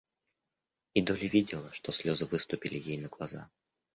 И Долли видела, что слезы выступили ей на глаза.